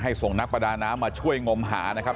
ส่งนักประดาน้ำมาช่วยงมหานะครับ